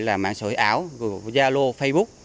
là mạng xã hội ảo gia lô facebook